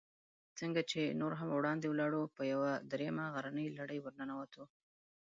څنګه چې نور هم وړاندې ولاړو، په یوه درېیمه غرنۍ لړۍ ورننوتو.